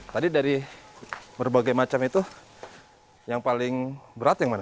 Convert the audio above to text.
tadi dari berbagai macam itu yang paling berat yang mana